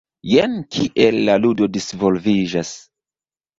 Jen kiel la ludo disvolviĝas.